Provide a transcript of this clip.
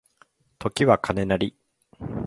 時は金なり